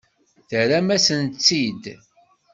Terram-asen-tt-id.